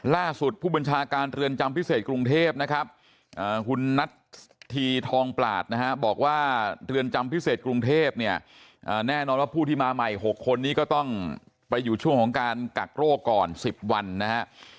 ผู้บัญชาการเรือนจำพิเศษกรุงเทพนะครับคุณนัทธีทองปลาดนะฮะบอกว่าเรือนจำพิเศษกรุงเทพเนี่ยแน่นอนว่าผู้ที่มาใหม่๖คนนี้ก็ต้องไปอยู่ช่วงของการกักโรคก่อน๑๐วันนะฮะ